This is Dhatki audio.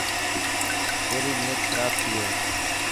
ڪيري نيت کراب ٿي هي.